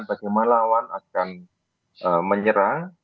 bagaimana lawan akan menyerang